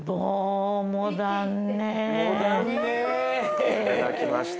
いただきました